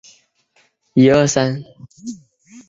高宗绍兴二年卒。